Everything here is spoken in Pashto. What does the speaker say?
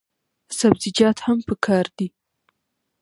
سبزیجات هم پکار دي.